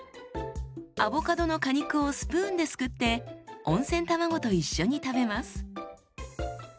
アボカドの果肉をスプーンですくって温泉卵と一緒に食べます。